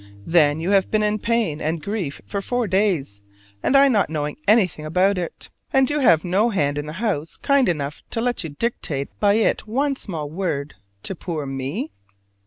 Then you have been in pain and grief for four days: and I not knowing anything about it! And you have no hand in the house kind enough to let you dictate by it one small word to poor me?